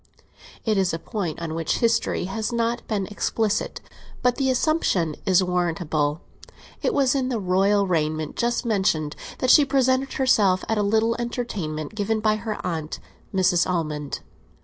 It is a point on which history has not been explicit, but the assumption is warrantable; it was in the royal raiment just mentioned that she presented herself at a little entertainment given by her aunt, Mrs. Almond.